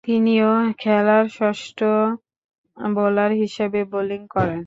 তিনি ও খেলার ষষ্ঠ বোলার হিসেবে বোলিং করেন।